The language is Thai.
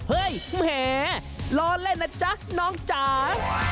แหมล้อเล่นนะจ๊ะน้องจ๋า